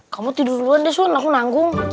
kamu tidur duluan deh sooran aku nanggung